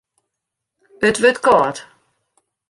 It wurdt kâld.